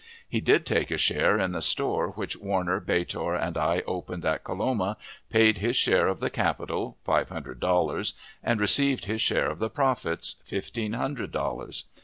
He did take a share in the store which Warner, Beator, and I, opened at Coloma, paid his share of the capital, five hundred dollars, and received his share of the profits, fifteen hundred dollars.